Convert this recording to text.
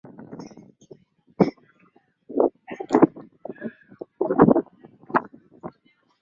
kama lilivyo li tunavyo lielewa katika mfumo wa demokrasia